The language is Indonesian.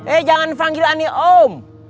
eh jangan panggil ani om